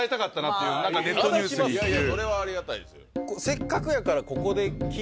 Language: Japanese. いやいやそれはありがたいです。